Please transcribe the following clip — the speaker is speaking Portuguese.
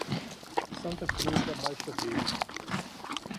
Santa Cruz da Baixa Verde